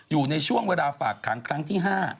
อยู่ในช่วงเวลาฝากครั้งที่ห้า